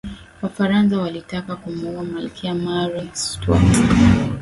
wafaransa walitaka kumuua malkia mary stuart